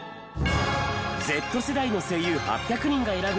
Ｚ世代の声優８００人が選ぶ！